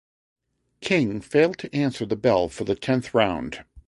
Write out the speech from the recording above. King failed to answer the bell for the tenth round.